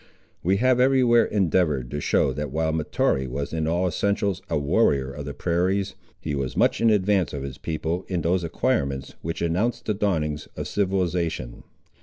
We have every where endeavoured to show that while Mahtoree was in all essentials a warrior of the prairies, he was much in advance of his people in those acquirements which announce the dawnings of civilisation.